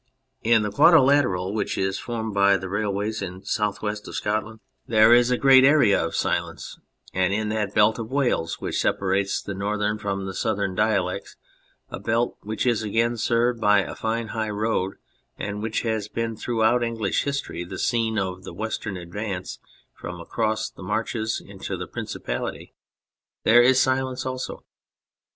In the quadrilateral which is formed by the rail ways in the south west of Scotland there is a great 33 D On Anything area of silence, and in that belt of Wales which separates the northern from the southern dialects a belt which is again served by a fine high road, and which has been throughout English history the scene of the western advance from across the Marches into the Principality, there is silence also.